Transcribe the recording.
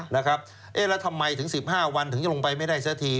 แล้วทำไมถึง๑๕วันถึงจะลงไปไม่ได้สักที